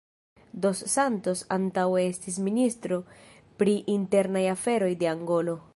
Dos Santos antaŭe estis ministro pri internaj aferoj de Angolo.